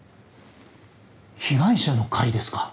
被害者の会ですか？